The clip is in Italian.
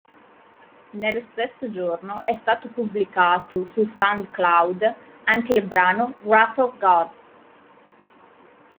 Nello stesso giorno è stato pubblicato su SoundCloud anche il brano "Wrath of God".